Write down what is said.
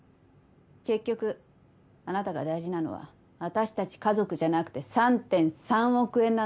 結局あなたが大事なのは私たち家族じゃなくて３．３億円なのよね。